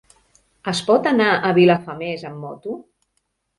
Es pot anar a Vilafamés amb moto?